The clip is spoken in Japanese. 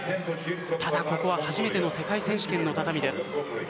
ただ、ここは初めての世界選手権の畳です。